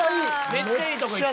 めっちゃいいとこいった。